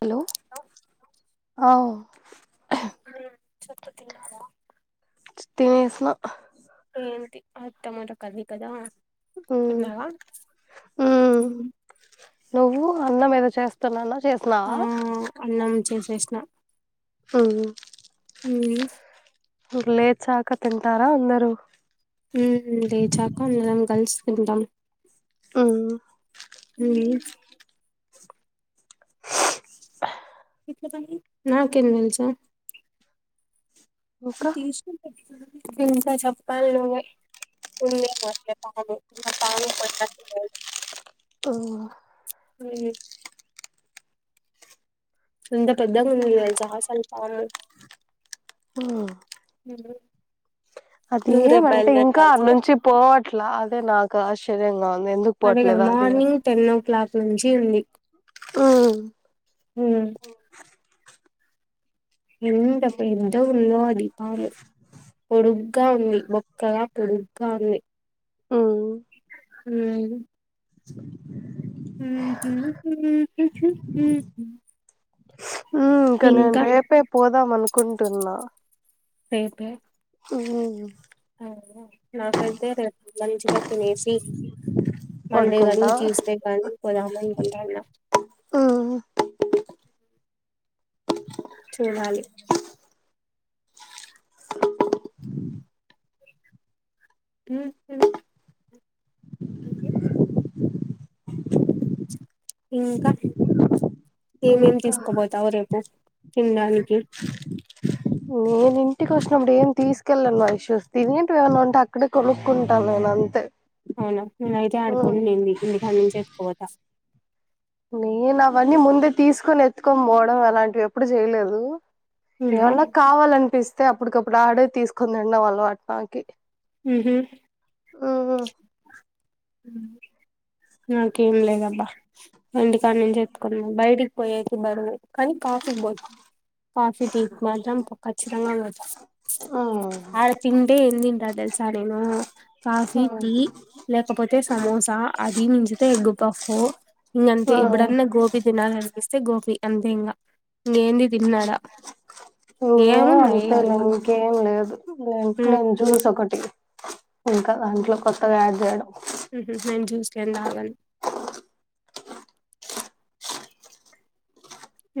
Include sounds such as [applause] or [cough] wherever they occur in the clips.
Hello ఆ ఓ. ఉమ్. చేత్తో తిన్నావా. తినేసిన ఆహ్. ఏంది తి ఆ టమోట కర్రి కదా. ఉమ్మ్ తిన్నావా ఉమ్మ్. ఉమ్ నువ్వు అన్నం ఏదొ చేస్తానన్నావ్. చేసినావా. చేస్న. హుమ్. హుమ్మ్. ఇంక్ లేచాక తింటారా అందరు. హుమ్మ్ లేచాక అందరం కల్సి తింటాం. ఉమ్. ఉమ్. నాకేం తెలుసు. ఇంకా తీసినా ఇంకా చెప్పాలి నువ్వే ఉందేమో పాము పాము కొట్టినట్టు లేదు తో హ్మ్మ్ ఎంత పెద్దగ ఉంది తెల్సా అసలు పాము హ్మ్మ్ ఉహు అదేమంటే ఇంకా ఆడనుంచి పోవట్ అదే నాకశ్చర్యం గా ఉంది ఎందుకు అదే కదా పోవట్లేదా మార్నింగ్ టెన్ ఓ క్లాక్ నుంచి ఉంది ఉమ్ ఉమ్ ఎంత పెద్దగ ఉందో అది పాము ఉహు పెద్దగా ఉంది బక్కగా పొడుగ్గా ఉంది ఉమ్ హుమ్మ్ హ్మ్మ్ హ్మ్మ్ ఇంకా నేను రేపే పోదామనుకు కుంటున్నా రేపే హ్మ్మ్ నాకైతే రెపు మంచిగా తినేసి మండే పడుకుంటా కాగాని ట్యూస్డే కాని పోదామ ఇ ఉంటాన్న హ్మ్ చూడాలి ఇంకా ఏమేం ఏం ఇంకా తీసుకోపోతావు రేపు తినడానికి నేను ఇంటికి వచ్చినప్పుడు ఏం తీసుకెళ్ళను మా ఇష్యూస్ తిినేంటివి ఏమన్నా ఉంటే అక్కడే కొనుక్కుంటాను నేను అంతే అవునా నేన అయితే ఆడుకోం నేంది ఇంటికని నుంచి ఎతుకోతా నేను అవన్నీ ముందే తీసుకొని ఎత్తుకొని పోవడం అలాంటివి ఎప్పుడు చేయలేదు అవునా ఏమన్నా కావాలనిపిస్తంది ే అప్పటికప్పుడు ఆడేవి తీసుకునిండా వాళ్ళు అట్మాకి ఉహ హ్మ్మ్ హ్మ్మ్ నాకేం లేదబ్బా ఇంటిడకాడ నేను ఎత్తుకున్నా బయటికి పోయేయి బరువే కానీ కాఫీకి పోత కాఫీ టీ మాత్రం కఖచ్చితంగా పోత ఆడ తింటే ఎందింట తెల్సా నేను కాఫీ లేకపోతే సమోసా అది మించితే ఎగ్ పఫ్ ఇంకంతె, ఎప్పుడన్నా గోపి తినాలినిపిస్తే గో అంతే ఇంకా న ఏమున్నాయి ఆడ అంతేలా ఇంకేం లేదు నేను చూసి ఒకటి ఇంకా దాంట్లో కొత్తగా యాడ్ చేయడం నేను జ్యూస్ లేం తాగను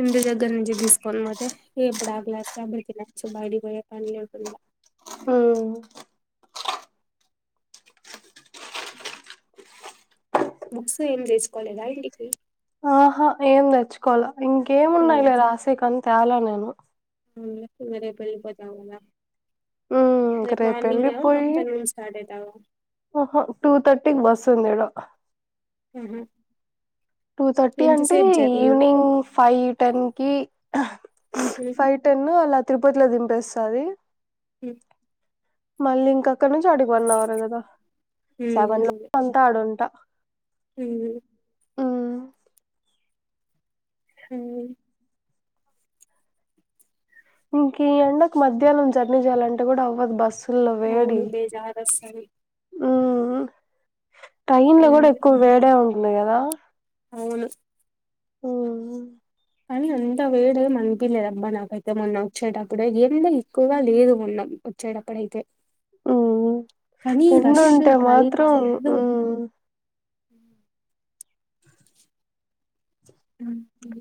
ఇంటి దగ్గర నుంచి తీసుకోని పోతే, ఎప్పుడు ఆ గ్లాస్త అబరికి నచ్చు బయడి పోయే పని లేకుండా బుక్స్ ఏం తెసుుకోవాలిదా ఇంటికి ఆ ఏం తెచ్చుకోవాల ఇంకేంన్నాయిలే రాశఖంత్ తేలా నేను అవు మరే పెళ్లిపోతా గ రేపల్లి పోయిహ ఆఫ్టర్నూన్ స్టార్ట్ అయితావా టూ హు తర్టీకి బస్ ఉందిడు హహ టూ థర్టీ అంటే ఈవినింగ్ ఫైవ్ టెన్ కి ఉహు ఫైవ్ టెన్ అలా తిరుపతిలో దింపేస్తది మ్ మల్లింక ఇక్కడ నుంచి ఆడికి వన్ అవర్ కదా సెవెన్ ల ఉంటాడట మ్ హ్మ్. మ్ ఇంకా ఈ ఎండకు మధ్యాహ్నం జర్నీ చేయాలంటే కూడా అవ్వదు బస్సు అవును బేజారు వస్తది ఆ ఆ టైమ్ లో కూడా ఉమ్ ఎక్కువ వేడి ఉన్న కద అవును ఓహో కానీ అంత వేడిగేం అనిపిలేదు అబ్బా నాకైతే మొన్న వచ్చేటప్పుడు. ఎండ ఎక్కువగా లేదు మొన్న వచ్చేటప్పుడైతే. మ్మ్ హ్మ్ కానీ ఎండ రష్ ఉంటే మాత్రం హ్మ్ మ్మ్ మ్మ్ హ్మ్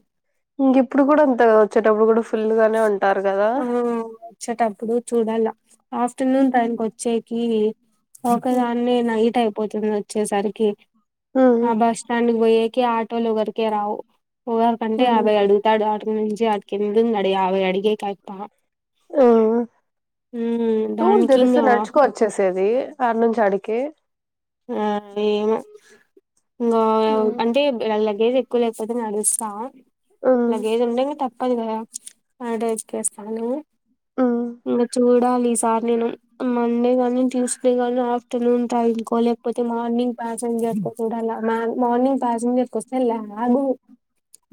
ఇంగ ఇప్పుడు కూడా అంతేగా వచ్చేటప్గుడు ఫుల్లుగానే ఉంటారు కదా ఇప్పుడు చూడాల ఆఫ్టర్నూన్ టైం కి వచ్చేకి ఒక్కదాన్నే నైట్ అయిపోతుంది వచ్చేసరి కే ఆ ఉమ్ బస్ స్టాండ్ పోయకి ఆటోలు ఎవరికి రావు పోయాకి అంటే యాభై అడుగుతాడు అటు నుంచి యాడికి వెళ్తుండు యాభై అడిగే కాయతవ ఆ ఉమ్ టూ దానికి తెలుసి ఇంగా నడుచుకో వచ్చేసేది ఆడి నుంచి అడికి అదేమో వాయ ఉమ్ అంటే వాళ్ల గేదె కూల్ లేకపోతే నడుస్తం ఉమ్ న గేదె ఉండం తప్పదు గదా ఆడ ఎక్కిస్తావా నువ్వు ఉమ్ హ చూడాలి ఇస సార్ నేను మండే గాని ట్యూస్డే గాని ఆఫ్టర్నూన్ టైంకోలేపో పోతే మార్నింగ్ ప్యాసెంజర్ కు కూడా మార్నింగ్ ప్యాసింజర్ వస్తేలా గు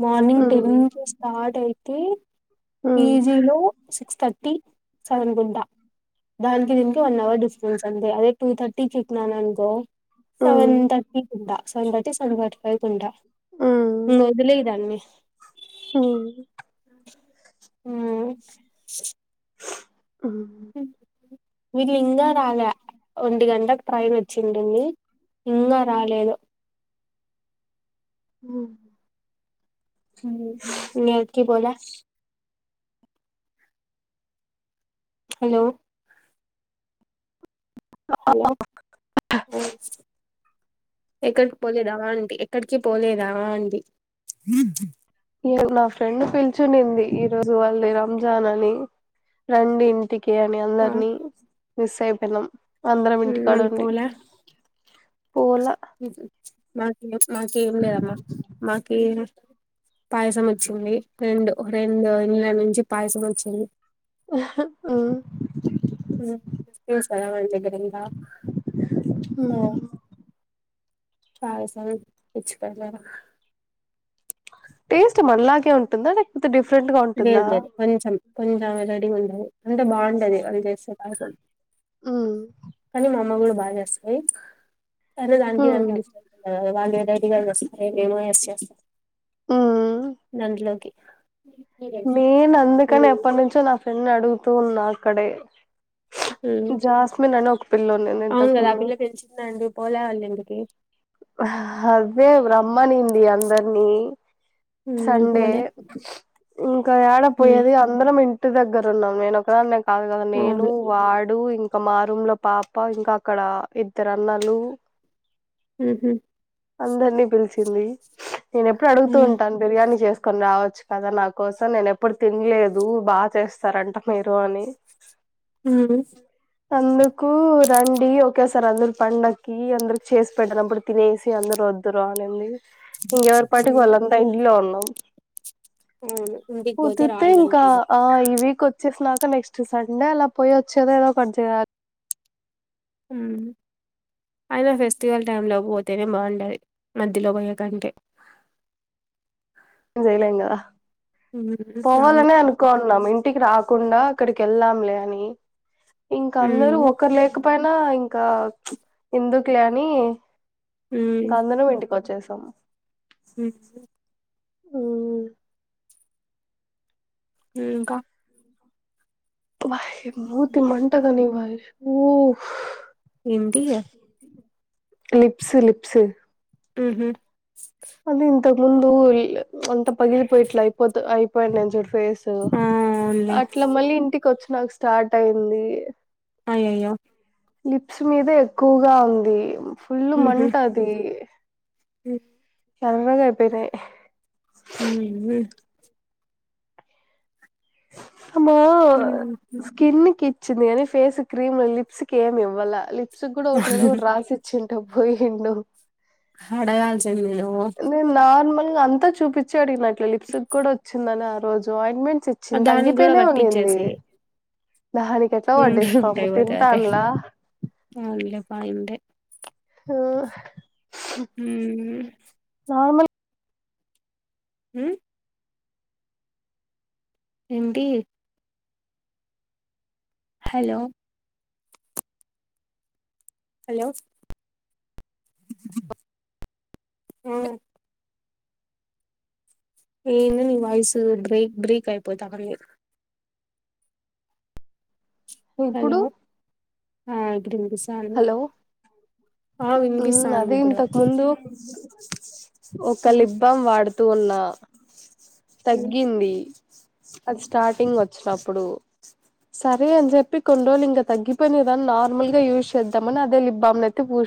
మార్నింగ్ ఉమ్ టెన్ నుంచి స్టార్ట్ అయి తి ఉమ్ పిజీ లో సిక్స్ థర్టీ చదన్కుంట దానికి దీనికి వన్ అవర్ డిస్టెన్స్ అంతే అదే టూ థర్టీ చెట్నా స సవన్ థర్టీ కు ఉంటా సంగటి సంగటి పైట్ ఉంటా మొద్లే దాన్ని హ హా ఆవు వీళ్ళు ఇంకా రా ల్యా ఒంటి గంటలకు ట్రైన్ వచ్చిండడి ఇంకా రాలేదు హా నవుకి బోలా హలో హలో ఎక్కడ్ కి పోలేదు దవా అంటడి ఎక్కడికి పోలేదావా అండి నా ఫ్రెండ్ పిల్చునింది ఈ రోజు వాళ్ళ రంజాన్ అని రండి ఇంటికి ఓకే అని ఆ అందరిని మిస్ అయిపోం నామ్ అందరం ఇంటి కాడ ఉండి ఊహూ మాకు లేవ్ మాకు ఏం లేదమ్మా మాకు ఏం పాయసం వచ్చింది రెండు రెండు ఇళ్ళ నుంచి పాయసం వచ్చింది హ్మ్ పిలుస్తారా మ ఉమ్ [unintelligible] ఆ [unintelligible] టేస్ట్ మనలాగే ఉంటుందా లేకపోతే డిఫరెంట్ గా లేదు ఉంటుందా లేదు కొంచెం కొంచం రెడి ఉండదు అంటే బావుంటది అది చేస్తే పలకడు మ్మ్ కానీ మామ కూడా బాజేస్తది అరే దానికి హ్మ్ దానికి ఆన్సర్ తెలవదు వాళ్ళు ఏదో ఒకటి గా చేస్తరు ఏదైనా ఏసి చేస్తరు నందులోకి నేనందుకని ఉమ్ ఎప్పటి నుంచో నా ఫ్రెండ్ ని అడుగు తూ ఉన్నా అక్కడే ఉమ్ జాస్మిన్ అని ఒక పిల్లో నన అవును ఇంతకు కదా ఆ ముందు పిల్ల పిలిచిందా అండి పోలే వాళ్ళ ఇంటికి రమ్మనింది అందర్నీ ఉమ్ వాళ్ళు సండే పోలే ఇంకా ఏడ ఉమ్ పోయేది అందరం ఇం ఇంటి దగ్గర ఉన్నాం నేను ఒక్కదాన్నే కాదు కదా నేను అవును వాడ్ డు ఇంకా మా రూమ్ లో పాప ఇంకా అక్కడ ఇద్దరు అన్నలు ఊహూ అందరినీ పిలిచింది నేనెప్పుడూ అడుగుతూ ఉమ్ ఉం బిర్యానీ చేసుకొని రావచ్చు కదా నా కోసం నేను ఎప్పుడు తినలేదు బాగా చేస్తారంట మీరు అని హ్మ్ అందుకు రండి ఒకేసారి అందరు పండక్కి అందరికి చేసి పెట్టినప్పుడు తినేసి అందరు వద్దురు అనింది ఇంగ ఎవరి పాటుకి ఉమ్ వాళ్ళం లో ఉన్నాం అవును ఇంటికి పోతే పోతితే ఇంకా రావాలనిపిదు ఆ ఇవి వచ్చేసినాక నెక్స్ట్ సండే అలా పోయి వచ్చేదో ఏదో చేయాలి అయినా ఫెస్టివల్ టై లో పోతేనే బాగుండాలి మధ్యలో పోయ కంటే జలేంగదా ఉమ్, అవును పోవాలనే అనుకోంన్నాం ఇంటికి రాకుండా అక్కడికి వెళ్దాంలే అని ఇంకా అందరు ఉమ్ ఒకరు లేకపోనా లా ఇంకా ఎందుకులు అని ఇంకా అందరం ఇంటికి వచ్చేసాం హ ఊ ఇంకా బాహ మూర్తి మంటగానివా ఊ ఇంటియా లిప్స్ లిప్స్ హమ్ ఫాలిన్ ఇంత క్ ముందు ఇల్. అంత పగిలిపోయి ఇట్లా అయిపోతది అయి. వైన్ నేచర్ ఫేస్. సు ఆ అవునులే అట్లా మళ్ళీ ఇంటికి వచ్చ. నాక్ స్టార్ట్ అయింది. అయ్యో అయ్యే. లిప్స్ మీద ఎక్కువగా ఉంది. ఫుల్ మంట అది. అ చల్లగా అయిపోయినాయి. హ అమ్మో ఉమ్. స్కిన్ కి. వచ్చింది గానీ ఫేస్ క్రీమ్ లిప్స్ కి ఏమ్ ఇవ్వాల లి సిబ్రో ఏదో ఒకటి రాసి ఇచ్చింది. పోయిండు. అడగాల్సి. అయ్యయ్యో. నేను నార్మల్ అంతా చూపించాడు ఈ నే నైట్. లిప్స్ కూడా వచ్చింద నాట్. రోజు ఆయింట్మెంట్ చ్చింది దానికి కూడా తగ్గిపోయినే ఉనింది పట్టిచ్చేసేయ్ దానికి ఎట్లా ఉండే వడ్డిస్తాము ఉంటాయి పోతే అదే తింటాండ్లా అవునులే [unintelligible] హలో ఉమ్మ్ నార్మల్ ఉమ్ ఏంటి హలో హలో [unintelligible] ఏందొ నీ వాయిస్ బ్రేక్ బ్రేక్ అయిపోతావుంది ఇప్పుడు అ [inaudible] వినిపిసాంది హలో ఆ వినిపిసాంది అదే ఇప్పుడు. ఇంతకు ముందు [unintelligible] ఒక లిప్ బాం వాడు తూ ఉన్నా తగ్గింది అది స్టార్టింగ్ వచ్చినప్పుడు సరే అని చెప్పి కొన్ని రోజులు ఇంకా తగ్గిపోయినదాన్ని నార్మల్ గా యూజ్ చేద్దామని అదే లిప్ బామ్ నయితే పూష్